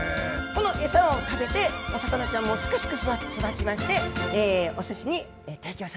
この餌を食べて、お魚ちゃんもすくすく育ちまして、おすしに提供